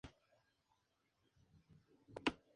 Su ascendencia tribal era Dene.